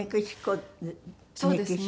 そうですね。